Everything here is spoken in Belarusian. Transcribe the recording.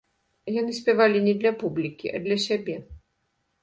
Яны спявалі не для публікі, а для сябе.